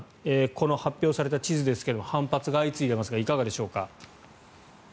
この発表された地図ですけど反発が相次いでいますがいかがでしょうか。